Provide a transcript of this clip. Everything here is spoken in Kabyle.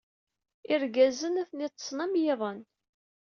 Irgazen atni ḍḍsen am yiḍan.